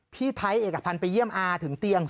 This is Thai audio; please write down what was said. พี่ไทยเอกพันธ์ไปเยี่ยมอาถึงเตียง